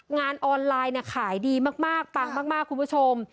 งานออนไลน์ขายดีมากปังมากคุณผู้ชม